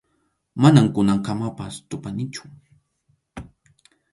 Manam kunankamapas tupanichu.